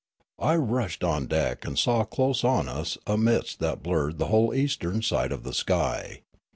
I rushed on deck and saw close on us a mist that blurred the whole eastern side of the sky.